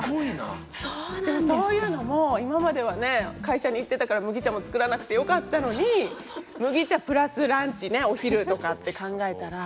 でもそういうのも今まではね会社に行ってたから麦茶も作らなくてよかったのにお昼とかって考えたら。